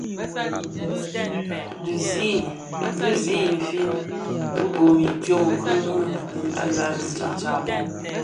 Dhi zi I nfin bi gōn itsok ki nguila zi I tsaboň.